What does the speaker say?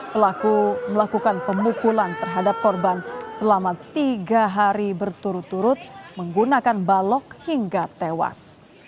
pelaku melakukan pemukulan terhadap korban selama tiga hari berturut turut menggunakan balok hingga tewas